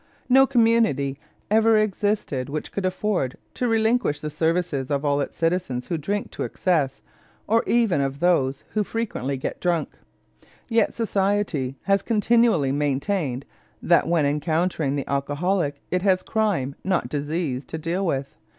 No community ever existed which could afford to relinquish the services of all its citizens who drink to excess or even of those who frequently get drunk. Yet society has continually maintained that when encountering the alcoholic it has crime, not disease, to deal with.